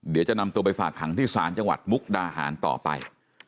เดี๋ยวจะนำตัวไปฝากขังที่ศาลจังหวัดมุกดาหารต่อไป